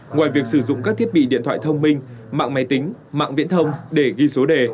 ngoài việc sử dụng các thiết bị điện thoại thông minh mạng máy tính mạng viễn thông để ghi số đề